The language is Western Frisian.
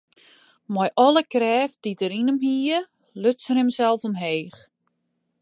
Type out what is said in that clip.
Mei alle krêft dy't er yn him hie, luts er himsels omheech.